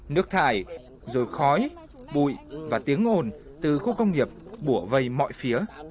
nước thải rồi khói bụi và tiếng ồn từ khu công nghiệp bùa vây mọi phía